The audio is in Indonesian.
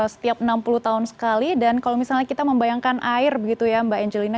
setiap enam puluh tahun sekali dan kalau misalnya kita membayangkan air begitu ya mbak angelina